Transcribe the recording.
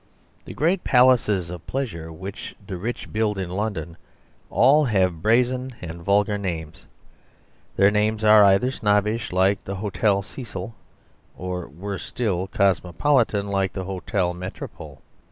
The great palaces of pleasure which the rich build in London all have brazen and vulgar names. Their names are either snobbish, like the Hotel Cecil, or (worse still) cosmopolitan like the Hotel Metropole.